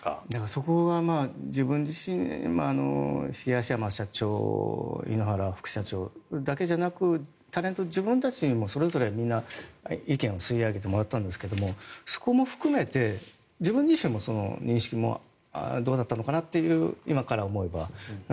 そこが自分自身東山社長井ノ原副社長だけじゃなくてタレント、自分たちもそれぞれみんな意見を吸い上げてもらったんですがそこも含めて自分自身の認識もどうだったかなと今から思えば。